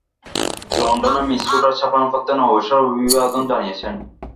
লণ্ডনের miss Sutter ছাপানো পত্রে নববর্ষের অভিবাদন জানিয়েছেন।